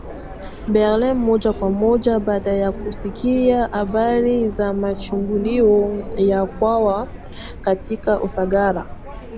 Berlin moja kwa moja Baada ya kusikia habari za mashambulio ya Mkwawa katika Usagara